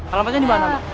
alamatnya dimana mbak